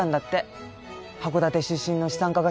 函館出身の資産家が戦後にね。